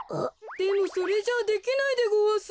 でもそれじゃあできないでごわす。